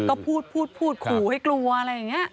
ก็พูดพูดขู่ให้กลัวอะไรอย่างนี้